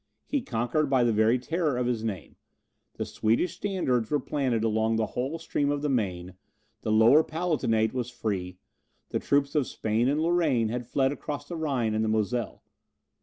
He conquered by the very terror of his name. The Swedish standards were planted along the whole stream of the Maine: the Lower Palatinate was free, the troops of Spain and Lorraine had fled across the Rhine and the Moselle.